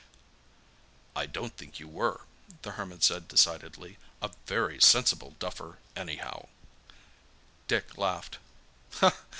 "I don't think you were," the Hermit said decidedly. "A very sensible duffer, anyhow." Dick laughed.